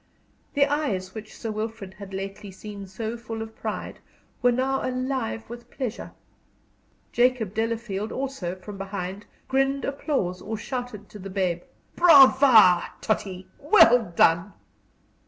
The eyes which Sir Wilfrid had lately seen so full of pride were now alive with pleasure. Jacob Delafield, also, from behind, grinned applause or shouted to the babe, "Brava, Tottie; well done!"